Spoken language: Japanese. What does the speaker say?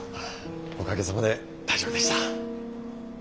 おかげさまで大丈夫でした。